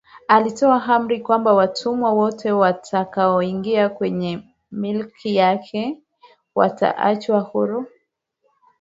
Alitoa amri kwamba watumwa wote watakaoingia kwenye milki yake wataachwa huru